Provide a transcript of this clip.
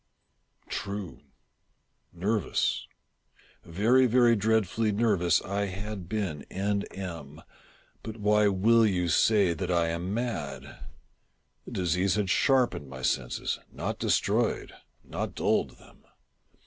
TRUE! — nervous — very, very dreadfully nervous I had been and am ; but why will you say that I am mad? The disease had sharpened my senses — not destroyed — not dulled them.